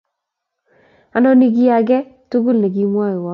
anonii kiy ake tugul nekimwowo.